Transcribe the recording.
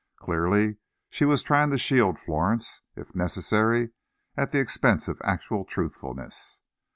Clearly, she was trying to shield Florence, if necessary, at the expense of actual truthfulness.